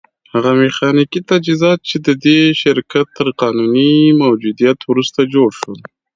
هغه ميخانيکي تجهيزات چې د دې شرکت تر قانوني موجوديت وروسته جوړ شول.